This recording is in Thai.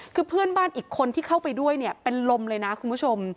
คือเพื่อนบ้านอีกคนที่เข้าไปด้วยเนี่ยเป็นลมเลยนะคุณผู้ชม